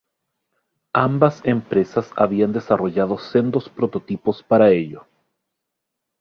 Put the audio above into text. Ambas empresas habían desarrollado sendos prototipos para ello.